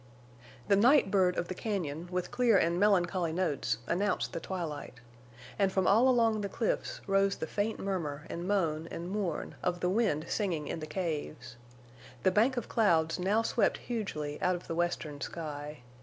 The night bird of the cañon, with clear and melancholy notes announced the twilight. And from all along the cliffs rose the faint murmur and moan and mourn of the wind singing in the caves. The bank of clouds now swept hugely out of the western sky.